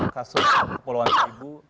kasus kepulauan saibu